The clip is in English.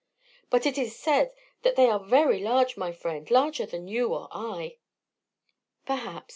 "But it is said that they are very large, my friend, larger than you or I." "Perhaps.